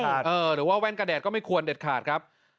หรือว่าแว่นกระแดดก็ไม่ควรเด็ดขาดครับ